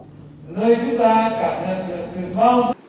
nơi chúng ta cảm nhận được sự bao dung nhân ái cảm thông sự chia sẻ hơn bao giờ hết